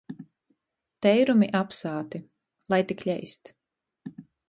Teirumi apsāti. Lai tik leist.